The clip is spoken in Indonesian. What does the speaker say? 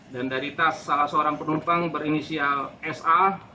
dan dari tas salah seorang penumpang berinisial sa